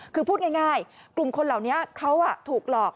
คือพูดง่ายกลุ่มคนเหล่านี้เขาถูกหลอก